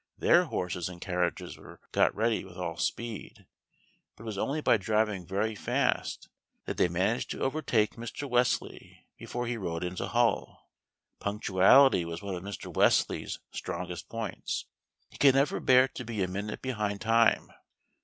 Their horses and carriages were got ready with all speed, but it was only by driving very fast that they managed to overtake Mr. Wesley before he rode into Hull. Punctuality was one of Mr. Wesley's strongest points. He could never bear to be a minute behind time.